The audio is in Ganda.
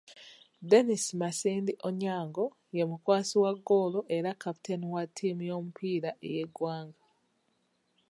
Dennis Masindi Onyango ye mukwasi wa ggoolo era kaputeni wa ttiimu y'omupiira ey'eggwanga.